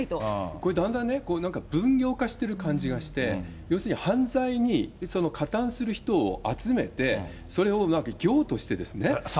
これ、だんだんね、分業化してる感じがして、要するに犯罪に加担する人を集めて、それを業として。